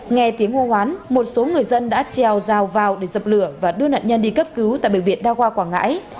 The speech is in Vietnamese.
nghe tiếng hô hoán một số người dân đã trèo rào vào để dập lửa và đưa nạn nhân đi cấp cứu tại bệnh viện đa khoa quảng ngãi